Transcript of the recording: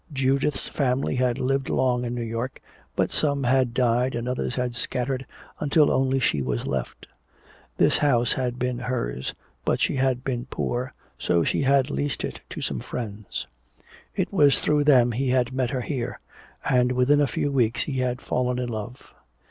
Judith's family had lived long in New York, but some had died and others had scattered until only she was left. This house had been hers, but she had been poor, so she had leased it to some friends. It was through them he had met her here, and within a few weeks he had fallen in love.